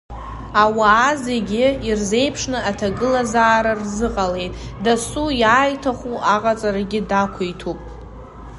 Ауаа зегьы ирзеиԥшны аҭагылазаара рзыҟалеит, дасу иааиҭаху аҟаҵарагьы дақәиҭуп!